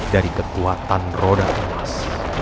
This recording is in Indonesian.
dari kekuatan roda emas